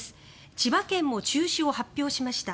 千葉県も中止を発表しました。